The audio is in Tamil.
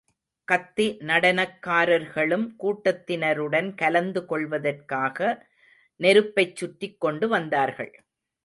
கத்தி நடனக்காரர்களும் கூட்டத்தினருடன் கலந்து கொள்வதற்காக நெருப்பைச் சுற்றிக் கொண்டு வந்தார்கள்.